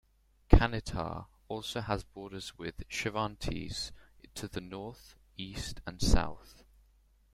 Canitar also has borders with Chavantes to the North, East and South.